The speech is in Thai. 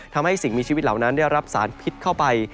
ทำให้สิ่งมีชีวิตเหล่านั้นได้รับสารพิษเข้าไป